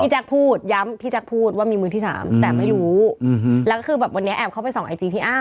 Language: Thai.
แจ๊คพูดย้ำพี่แจ๊คพูดว่ามีมือที่สามแต่ไม่รู้แล้วก็คือแบบวันนี้แอบเข้าไปส่องไอจีพี่อ้ำ